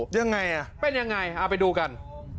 ยังไงอ่ะเป็นยังไงเอาไปดูกัน